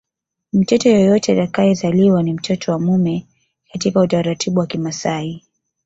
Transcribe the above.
Mtoto yeyote atakayezaliwa ni mtoto wa mume katika utaratibu wa Kimasai